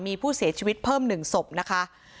มีผู้เสียชีวิตเพิ่ม๑ศพนะคะ